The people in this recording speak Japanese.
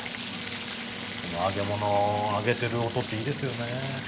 揚げ物を揚げてる音っていいですよね。